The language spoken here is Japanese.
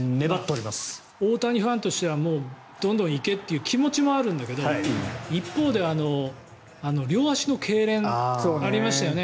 大谷ファンとしてはどんどん行けという気持ちもあるんだけど一方で両足のけいれんありましたよね。